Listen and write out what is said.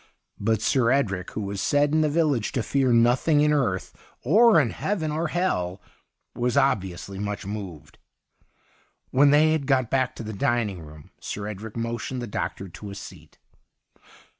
But Sir Edric, who was said in the village to fear nothing in earth, or heaven, or hell, was obviously much moved. When they had got back to the dining room. Sir Edric motioned the doctor to a seat.